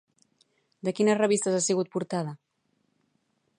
De quines revistes ha sigut portada?